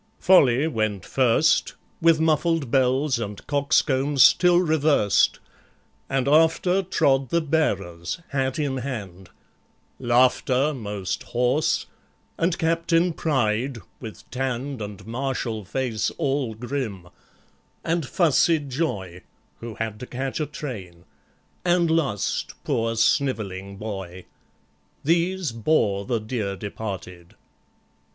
FOLLY went first, With muffled bells and coxcomb still revers'd; And after trod the bearers, hat in hand LAUGHTER, most hoarse, and Captain PRIDE with tanned And martial face all grim, and fussy JOY, Who had to catch a train, and LUST, poor, snivelling boy; These bore the dear departed.